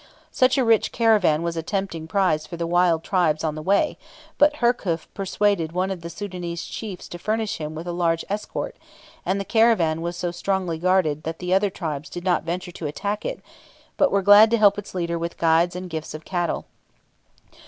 So rich a caravan was a tempting prize for the wild tribes on the way; but Herkhuf persuaded one of the Soudanese chiefs to furnish him with a large escort, and the caravan was so strongly guarded that the other tribes did not venture to attack it, but were glad to help its leader with guides and gifts of cattle.